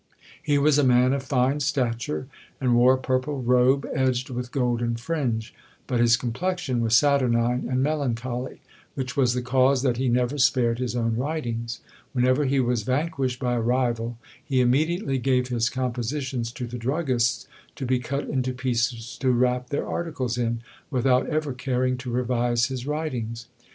He was a man of fine stature, and wore a purple robe edged with golden fringe. But his complexion was saturnine and melancholy, which was the cause that he never spared his own writings. Whenever he was vanquished by a rival, he immediately gave his compositions to the druggists to be cut into pieces to wrap their articles in, without ever caring to revise his writings.